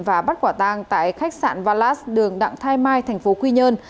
và bắt quả tàng tại khách sạn valas đường đặng thai mai thành phố quy nhơn